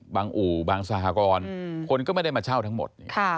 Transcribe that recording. อู่บางสหกรณ์คนก็ไม่ได้มาเช่าทั้งหมด